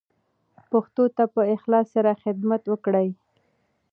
پښتو ته په اخلاص سره خدمت وکړئ.